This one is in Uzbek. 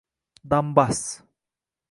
Donbass